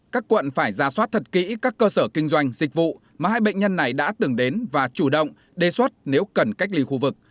các quận phải ra soát thật kỹ các cơ sở kinh doanh dịch vụ mà hai bệnh nhân này đã từng đến và chủ động đề xuất nếu cần cách ly khu vực